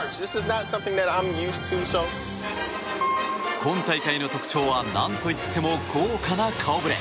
今大会の特徴は何といっても豪華な顔ぶれ。